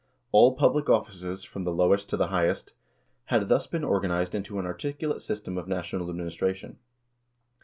All public offices, from the lowest to the highest, had thus been or ganized into an articulate system of national administration.